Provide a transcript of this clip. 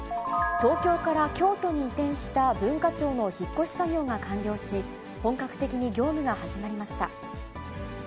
東京から京都に移転した文化庁の引っ越し作業が完了し、本格的に業務が始まりました。